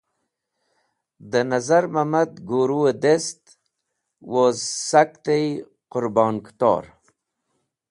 Da Nazar mamad guru dest woz sak tey Qũrbon Kũtor.